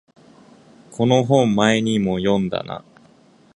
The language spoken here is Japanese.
この本前にも読んだな